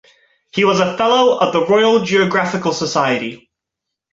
He was a Fellow of the Royal Geographical Society.